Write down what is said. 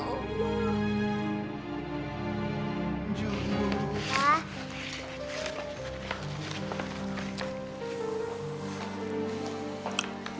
sampai jumpa lagi